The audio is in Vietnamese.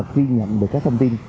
khi nhận được các thông tin